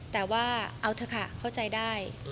แต่ว่าเอาเถอะค่ะเข้าใจได้